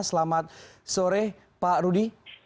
selamat sore pak rudi